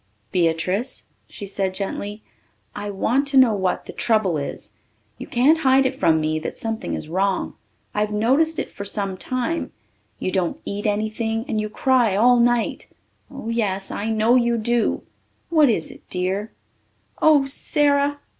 "Beatrice," she said gently, "I want to know what the trouble is. You can't hide it from me that something is wrong. I've noticed it for some time. You don't eat anything and you cry all night oh, yes, I know you do. What is it, dear?" "Oh, Sara!"